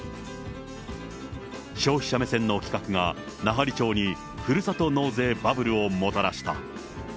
消費者目線の企画が、奈半利町にふるさと納税バブルをもたらした。